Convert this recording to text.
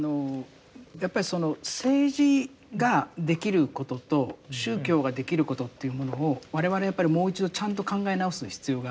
やっぱりその政治ができることと宗教ができることというものを我々やっぱりもう一度ちゃんと考え直す必要があるんだと思うんですよね。